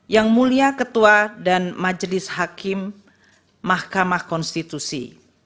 yang mulia ketua dan majelis hakim mahkamah konstitusi